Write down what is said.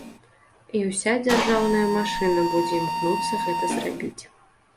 І ўся дзяржаўная машына будзе імкнуцца гэта зрабіць.